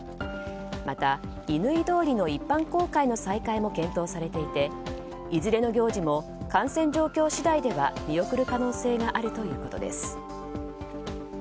また乾通りの一般公開の再開も検討されていていずれの行事も感染状況次第では見送る可能性があるということです。